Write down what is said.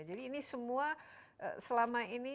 jadi ini semua selama ini